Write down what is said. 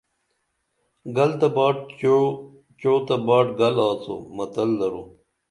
گَل تہ باٹ چُعو، چُعو تہ باٹ گَل آڅو متل درو